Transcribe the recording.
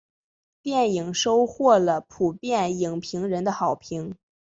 电影收获了普遍影评人的好评。